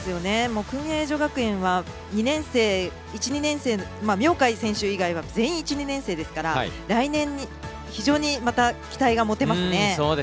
薫英女学院は明貝選手以外は全員１２年生ですから来年に非常に期待が持てますね。